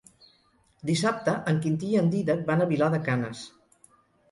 Dissabte en Quintí i en Dídac van a Vilar de Canes.